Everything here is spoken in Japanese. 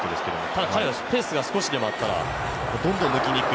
ただ、彼はスペースが少しでもあったらどんどん抜きにいく。